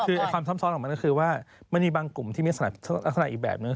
คือความซ้ำซ้อนของมันก็คือว่ามันมีบางกลุ่มที่มีลักษณะอีกแบบนึง